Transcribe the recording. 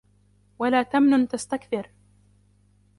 وَلَا تَمْنُنْ تَسْتَكْثِرُ